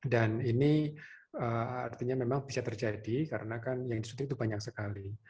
dan ini artinya memang bisa terjadi karena kan yang disuntik itu banyak sekali